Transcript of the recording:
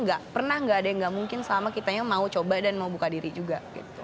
gak pernah gak ada yang gak mungkin selama kitanya mau coba dan mau buka diri juga